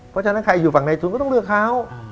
เพราะฉะนั้นใครอยู่ฝั่งในทุนก็ต้องเลือกเขา